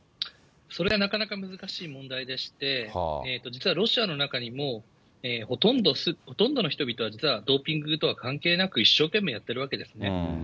それはなかなか難しい問題でして、実はロシアの中にも、ほとんどの人々は、実はドーピングとは関係なく、一生懸命やってるわけですね。